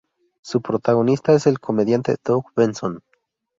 Su protagonista es el comediante Doug Benson.